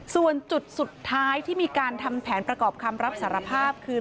ส่วนจุดสุดท้ายที่มีการทำแผนประกอบคำรับสารภาพคือ